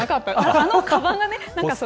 あのかばんがね。